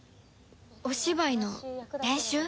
お芝居の練習？